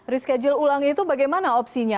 reschedule ulang itu bagaimana opsinya